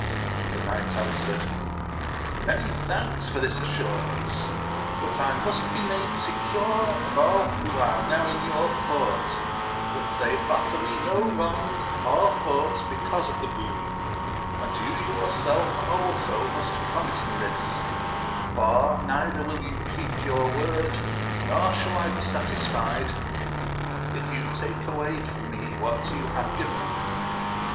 The knight answered, Many thanks for this assurance ! but I must be made secure of all who are now in your court, that they offer me no wrong or force because of the boon, and you yourself also must promise me this ; for neither will you keep your word, nor shall I be satisfied, if you take away from me what you have given.